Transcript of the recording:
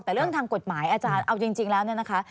แต่เรื่องทางกฎหมายอาจารย์เอาจริงแล้วเนี่ยนะคะ